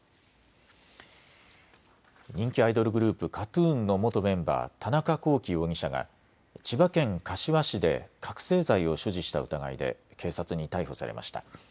人気アイドルグループ、ＫＡＴーＴＵＮの元メンバー、田中聖容疑者が千葉県柏市で覚醒剤を所持した疑いで警察に逮捕されました。